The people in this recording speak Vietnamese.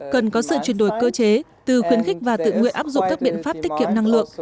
cần có sự chuyển đổi cơ chế từ khuyến khích và tự nguyện áp dụng các biện pháp tiết kiệm năng lượng